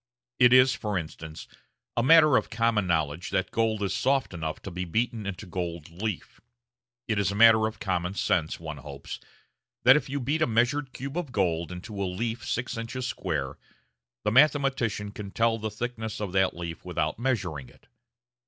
It is, for instance, a matter of common knowledge that gold is soft enough to be beaten into gold leaf. It is a matter of common sense, one hopes, that if you beat a measured cube of gold into a leaf six inches square, the mathematician can tell the thickness of that leaf without measuring it.